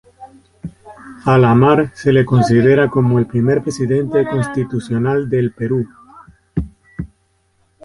A La Mar se le considera como el primer presidente constitucional del Perú.